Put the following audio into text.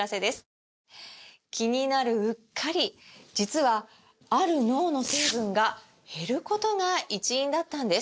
気になるうっかり実はある脳の成分が減ることが一因だったんです